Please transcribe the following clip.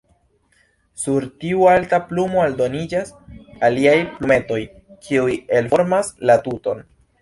Sur tiu alta plumo aldoniĝas aliaj plumetoj, kiuj elformas la tuton.